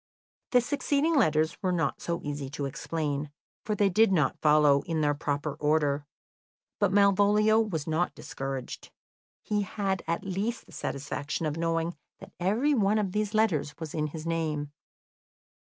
The succeeding letters were not so easy to explain, for they did not follow in their proper order. But Malvolio was not discouraged; he had at least the satisfaction of knowing that every one of these letters was in his name.